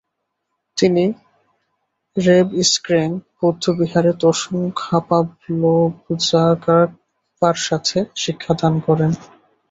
তিনি র্বা-স্গ্রেং বৌদ্ধবিহারে ত্সোং-খা-পা-ব্লো-ব্জাং-গ্রাগ্স-পার সাথে শিক্ষাদান করেন।